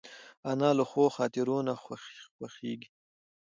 انا له ښو خاطرو نه خوښېږي